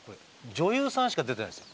女優さんしか出てないんです。